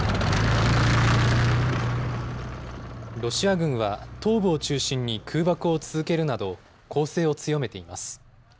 ロシア軍は東部を中心に空爆を続けるなど、攻勢を強めています。